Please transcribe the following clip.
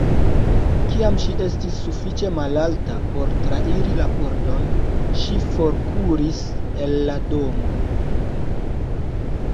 Kiam ŝi estis sufiĉe malalta por trairi la pordon, ŝi forkuris el la domo.